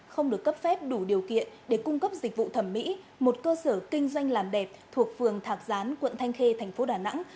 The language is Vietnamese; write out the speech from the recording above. không được cấp phép đủ điều kiện để cung cấp dịch vụ thẩm mỹ một cơ sở kinh doanh làm đẹp thuộc phường thạc gián quận thanh khê thành phố đà nẵng